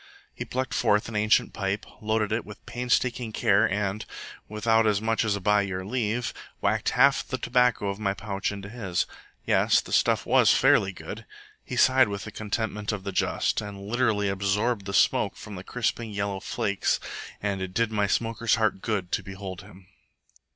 He plucked forth an ancient pipe, loaded it with painstaking care, and, without as much as by your leave, whacked half the tobacco of my pouch into his. Yes, the stuff was fairly good. He sighed with the contentment of the just, and literally absorbed the smoke from the crisping yellow flakes, and it did my smoker's heart good to behold him.